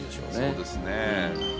そうですね。